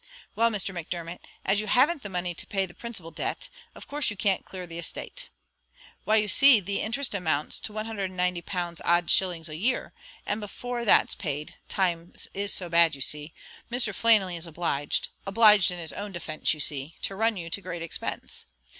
"Well, Mr. Macdermot, as you haven't the money to pay the principal debt, of course you can't clear the estate. Why, you see, the interest amounts to £198 odd shillings a year; and before that's paid times is so bad, you see Mr. Flannelly is obliged obliged, in his own defence, you see to run you to great expense.